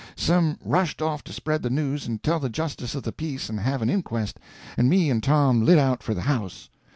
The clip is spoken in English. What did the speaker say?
Some rushed off to spread the news and tell the justice of the peace and have an inquest, and me and Tom lit out for the house.